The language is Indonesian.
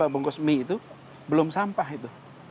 bungkus mie itu belum sampah itu